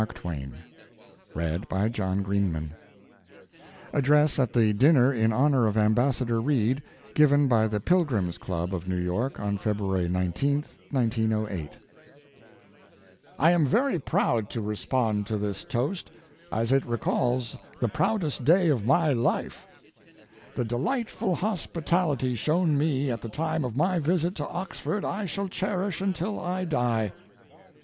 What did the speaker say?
DINNER TO WHITELAW REID ADDRESS AT THE DINNER IN HONOR OF AMBASSADOR REID, GIVEN BY THE PILGRIMS' CLUB OF NEW YORK ON FEBRUARY 19, 1908 I am very proud to respond to this toast, as it recalls the proudest day of my life. The delightful hospitality shown me at the time of my visit to Oxford I shall cherish until I die.